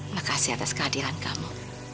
makasih atas kehadiran kamu